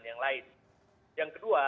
yang lain yang kedua